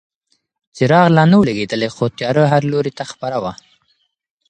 څراغ لا نه و لګېدلی خو تیاره هر لوري ته خپره وه.